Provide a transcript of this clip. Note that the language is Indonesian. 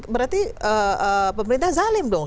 berarti pemerintah zalim dong